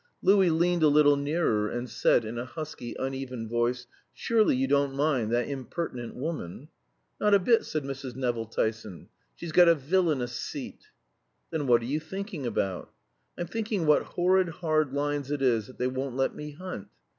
Louis leaned a little nearer and said in a husky, uneven voice, "Surely you don't mind that impertinent woman?" "Not a bit," said Mrs. Nevill Tyson. "She's got a villainous seat." "Then what are you thinking about?" "I'm thinking what horrid hard lines it is that they won't let me hunt.